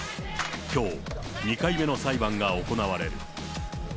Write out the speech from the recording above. きょう、２回目の裁判が行われる。